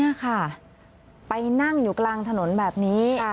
นี่ค่ะไปนั่งอยู่กลางถนนแบบนี้